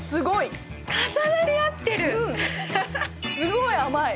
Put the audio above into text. すごい甘い！